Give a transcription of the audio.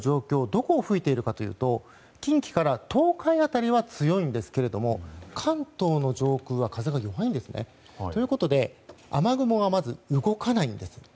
どこを吹いているかというと近畿から東海辺りは強いんですが関東上空は風が弱いんですね。ということで雨雲がまず動かないんです。